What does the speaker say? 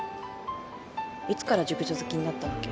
いつから熟女好きになったわけ？